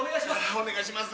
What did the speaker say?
お願いします。